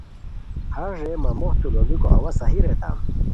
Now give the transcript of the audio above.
ہݰ رے مہ موختو لوڑیکو او ا صحیح ریتام